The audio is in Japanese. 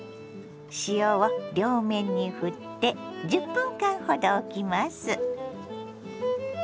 塩を両面にふって１０分間ほどおきます。